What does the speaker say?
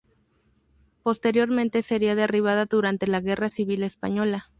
Posteriormente sería derribada durante la guerra civil española.